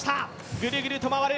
ぐるぐると回る。